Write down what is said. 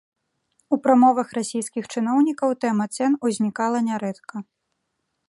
У прамовах расійскіх чыноўнікаў тэма цэн узнікала нярэдка.